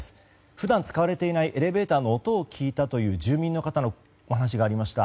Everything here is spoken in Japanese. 普段使われていないエレベーターの音を聞いたという住人の話がありました。